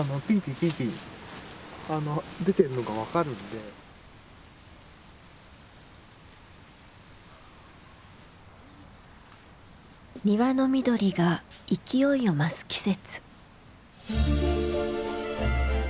やはり庭の緑が勢いを増す季節。